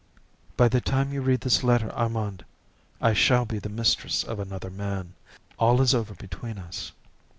"By the time you read this letter, Armand, I shall be the mistress of another man. All is over between us.